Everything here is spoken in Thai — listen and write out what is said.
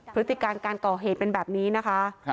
พฤติการการก่อเหตุเป็นแบบนี้นะคะ